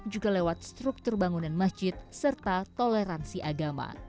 juga lewat struktur bangunan masjid serta toleransi agama